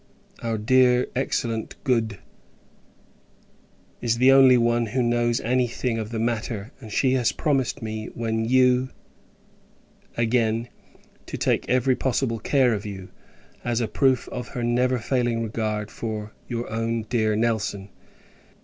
Our dear excellent, good is the only one who knows any thing of the matter; and she has promised me, when you again, to take every possible care of you, as a proof of her never failing regard for your own dear Nelson.